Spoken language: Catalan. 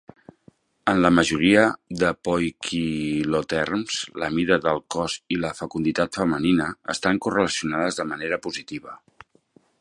En la majoria de poiquiloterms, la mida del cos i la fecunditat femenina estan correlacionades de manera positiva.